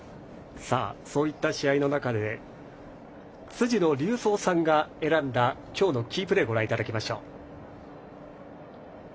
そういった試合の中で辻野隆三さんが選んだ今日のキープレーをご覧いただきます。